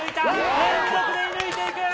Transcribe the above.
連続で射ぬいていく。